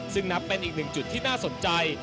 ซึ่งนับเป็นอีกหนึ่งจุดที่น่าสนใจ